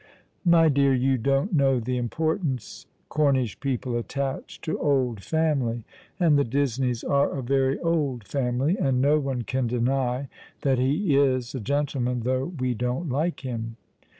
" My dear, you don't know the importance Cornish people attach to old family — and the Disneys are a very old family — and no one can deny that he is a gentleman, though we don't like him."